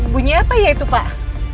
bunyi apa ya itu pak